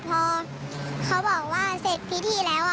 พอเขาบอกว่าเสร็จพิธีแล้ว